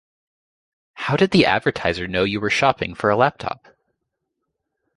How did the advertiser know you were shopping for a laptop?